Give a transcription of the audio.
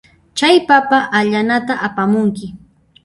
Chay papa allanata apamunki.